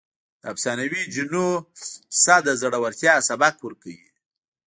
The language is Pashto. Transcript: د افسانوي جنونو کیسه د زړورتیا سبق ورکوي.